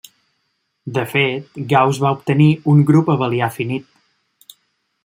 De fet, Gauss va obtenir un grup abelià finit.